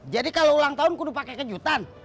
jadi kalau ulang tahun kudu pakai kejutan